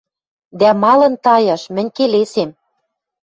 Дӓ малын таяш? Мӹнь келесем.